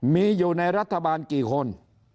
มีอยู่ในรัฐบาลกี่คน